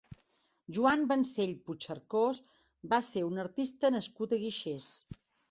Joan Vancell Puigcercós va ser un artista nascut a Guixers.